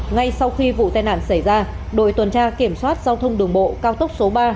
ngay sau khi vụ tai nạn xảy ra đội tuần tra kiểm soát giao thông đường bộ cao tốc số ba